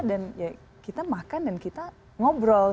dan ya kita makan dan kita ngobrol